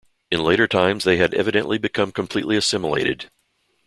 In later times they had evidently become completely assimilated.